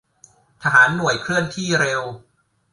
ทหารหน่วยเคลื่อนที่เร็ว